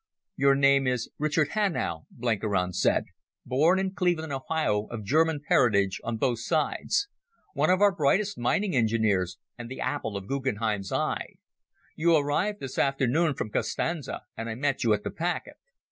"Your name is Richard Hanau," Blenkiron said, "born in Cleveland, Ohio, of German parentage on both sides. One of our brightest mining engineers, and the apple of Guggenheim's eye. You arrived this afternoon from Constanza, and I met you at the packet.